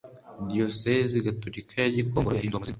Diyosezi Gatolika ya Gikongoro yahinduwe amazina